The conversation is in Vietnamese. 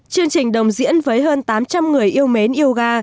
chương trình đồng diễn với hơn tám trăm linh người yêu mến yoga